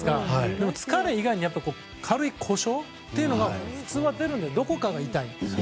でも疲れ以外に軽い故障が普通は出るのでどこかが痛いとか。